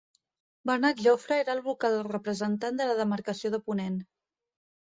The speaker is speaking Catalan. Bernat Jofre era el vocal representant de la demarcació de Ponent.